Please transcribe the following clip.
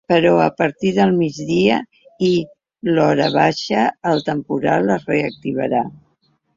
Però a partir del migdia i l’horabaixa el temporal es reactivarà.